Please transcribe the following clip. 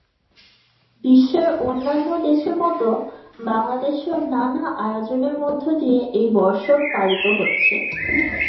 বিশ্বের অন্যান্য দেশের মতো বাংলাদেশেও নানা আয়োজনের মধ্য দিয়ে এই বর্ষ পালিত হচ্ছে।